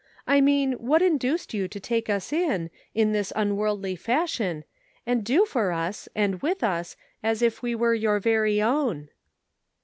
I mean, what induced you to take us in, in this unworldly fashion, and do for us, and with us as if we were your very own